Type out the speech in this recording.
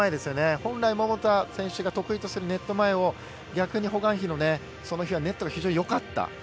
本来、桃田選手が得意とするネット前を逆にホ・グァンヒのその日はネットが非常によかった。